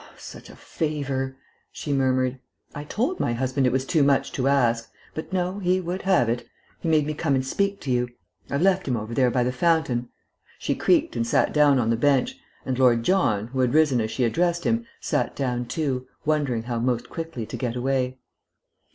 "Such a favour!" she murmured. "I told my husband it was too much to ask. But no, he would have it. He made me come and speak to you. I've left him over there by the fountain." She creaked and sat down on the bench, and Lord John, who had risen as she addressed him, sat down too, wondering how most quickly to get away.